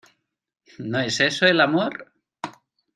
¿ no es eso el amor?